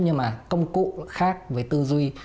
nhưng mà công cụ khác với tư duy